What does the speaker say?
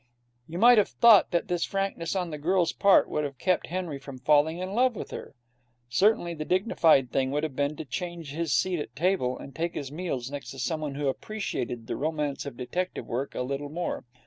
You might have thought that this frankness on the girl's part would have kept Henry from falling in love with her. Certainly the dignified thing would have been to change his seat at table, and take his meals next to someone who appreciated the romance of detective work a little more.